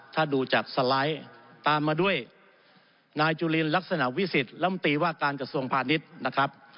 ถ้าดูจากสไลด์ตามมาด้วยนายจุลินลักษณะวิสิทธิ์ลำตีว่าการกระทรวงพาณิชย์นะครับ